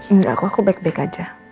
enggak aku aku baik baik aja